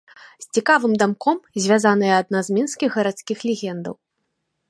З цікавым дамком звязаная адна з мінскіх гарадскіх легендаў.